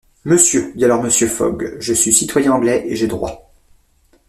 Monsieur, dit alors Mr. Fogg, je suis citoyen anglais, et j’ai droit...